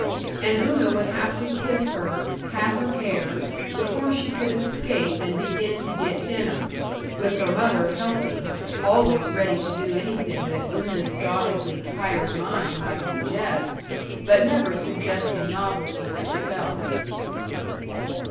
And Una would have to kiss her, pat her hair, before she could escape and begin to get dinner (with her mother helping, always ready to do anything that Una's doggedly tired mind might suggest, but never suggesting novelties herself).